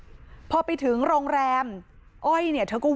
มีชายแปลกหน้า๓คนผ่านมาทำทีเป็นช่วยค่างทาง